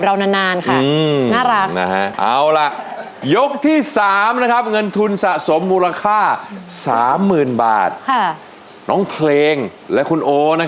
อย่างคนเป็นน้อย